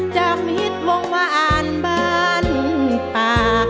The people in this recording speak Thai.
จากมิฮิตวงวะอานบรรณป่า